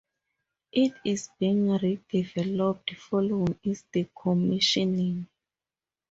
It is being redeveloped following its decommissioning.